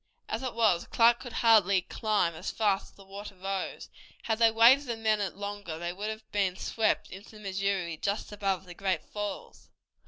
As it was, Clark could hardly climb as fast as the water rose. Had they waited a minute longer they would have been swept into the Missouri just above the Great Falls.